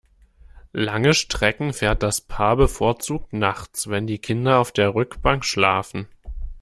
Lange Strecken fährt das Paar bevorzugt nachts, wenn die Kinder auf der Rückbank schlafen.